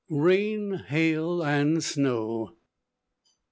RAIN, HAIL AND SNOW.